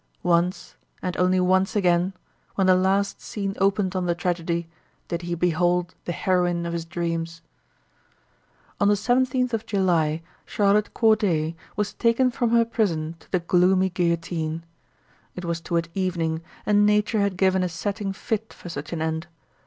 Once, and only once again, when the last scene opened on the tragedy, did he behold the heroine of his dreams. On the 17th of July Charlotte Corday was taken from her prison to the gloomy guillotine. It was toward evening, and nature had given a setting fit for such an end.